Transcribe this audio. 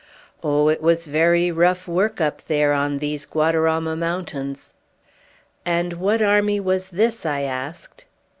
Oh, it was very rough work up there on these Guadarama mountains!" "And what army was this?" I asked.